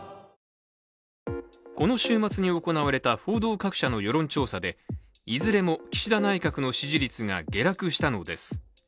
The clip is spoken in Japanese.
この週末に行われた報道各社の世論調査でいずれも岸田内閣の支持率が下落したのです。